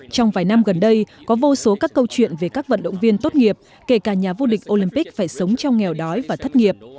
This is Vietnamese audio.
trong vài năm gần đây có vô số các câu chuyện về các vận động viên tốt nghiệp kể cả nhà vô địch olympic phải sống trong nghèo đói và thất nghiệp